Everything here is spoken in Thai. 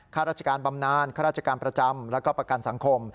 ข้าราชการบำนานข้าราชการประจำแล้วก็ประกันสังคม